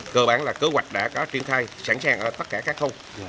cơ bản là cơ hoạch đã có triển khai sẵn sàng ở tất cả các thôn